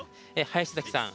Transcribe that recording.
林崎さん。